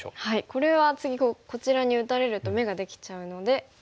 これは次こちらに打たれると眼ができちゃうので潰します。